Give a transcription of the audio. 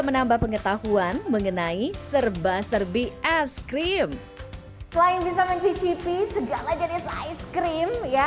menambah pengetahuan mengenai serba serbi es krim selain bisa mencicipi segala jenis ice cream ya